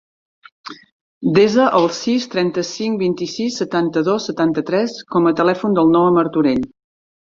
Desa el sis, trenta-cinc, vint-i-sis, setanta-dos, setanta-tres com a telèfon del Noah Martorell.